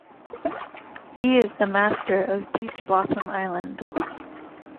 He is the master of Peach Blossom Island.